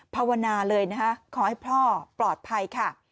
ภาวนาเลยนะคะขอให้พ่อปลอดภัยค่ะ